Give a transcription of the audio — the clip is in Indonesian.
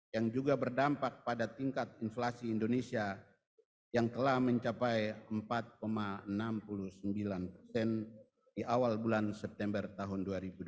yang juga berdampak pada tingkat inflasi indonesia yang telah mencapai empat enam puluh sembilan persen di awal bulan september tahun dua ribu dua puluh